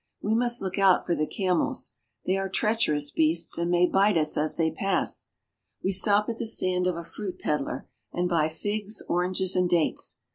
We must look out for the camels. They are treacherous beasts and may bite us as they pass. We stop at the stand of a fruit peddler and buy figs, oranges, and dates.